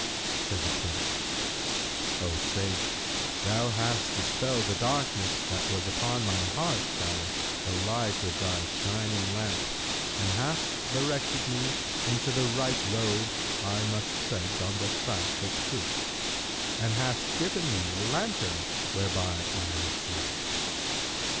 Said the Prince, "O sage, thou hast dispelled the darkness that was upon my heart by the light of thy shining lamp and hast directed me into the right road I must tread on the track of Truth and hast given me a lantern whereby I may see."